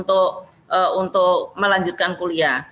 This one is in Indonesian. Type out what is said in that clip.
untuk melanjutkan kuliah